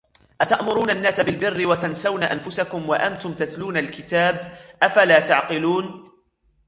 أتأمرون الناس بالبر وتنسون أنفسكم وأنتم تتلون الكتاب أفلا تعقلون